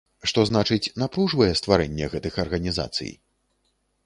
Што значыць напружвае стварэнне гэтых арганізацый?